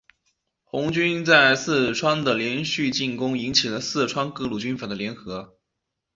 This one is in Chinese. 红军在四川的连续进攻引起了四川各路军阀的联合。